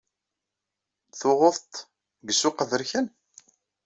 Tuɣeḍ t deg ssuq aberkan?